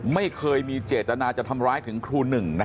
ไม่เคยมีเจตนาจะทำร้ายถึงครูหนึ่ง